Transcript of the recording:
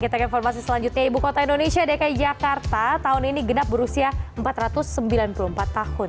kita ke informasi selanjutnya ibu kota indonesia dki jakarta tahun ini genap berusia empat ratus sembilan puluh empat tahun